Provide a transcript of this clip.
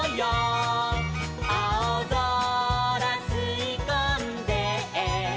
「あおぞらすいこんで」